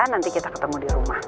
nanti kita ketemu di rumah